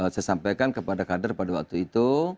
saya sampaikan kepada kader pada waktu itu